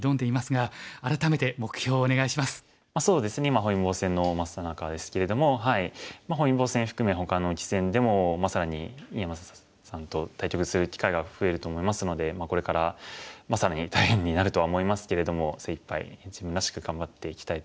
今本因坊戦のさなかですけれども本因坊戦含めほかの棋戦でも更に井山さんと対局する機会が増えると思いますのでこれから更に大変になるとは思いますけれども精いっぱい自分らしく頑張っていきたいと思います。